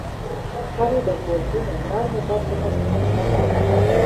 هغې د غوږونو نرمو برخو ته په خفګان وکتل